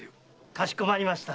かしこまりました。